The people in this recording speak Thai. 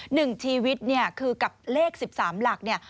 หนึ่งชีวิตคือกับเลข๑๓หลัก